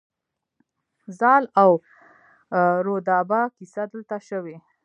زال او رودابه کیسه دلته شوې